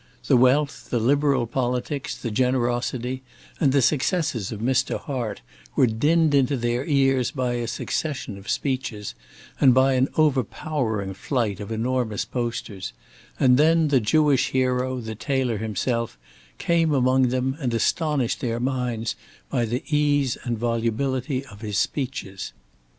The wealth, the liberal politics, the generosity, and the successes of Mr. Hart were dinned into their ears by a succession of speeches, and by an overpowering flight of enormous posters; and then the Jewish hero, the tailor himself, came among them, and astonished their minds by the ease and volubility of his speeches.